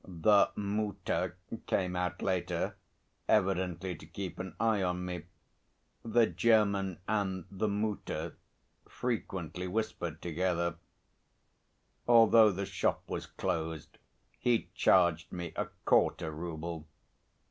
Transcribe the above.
The Mutter came out later, evidently to keep an eye on me. The German and the Mutter frequently whispered together. Although the shop was closed he charged me a quarter rouble!